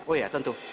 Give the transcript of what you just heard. oh iya tentu